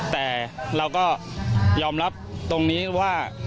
แต่เราก็ยอมรับตรงนี้ว่า